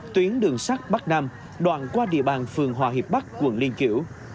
tuyến đường sắt bắc nam đoạn qua địa bàn phường hoa hiệp bắc quận liên triều